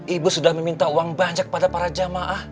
ibu sudah meminta uang banyak pada para jamaah